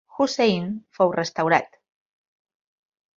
Hussein fou restaurat.